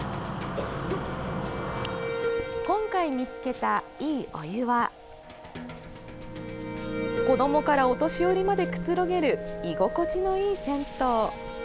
今回見つけた、いいお湯は子どもからお年寄りまでくつろげる居心地のいい銭湯。